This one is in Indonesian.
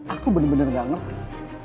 aku bener bener gak ngerti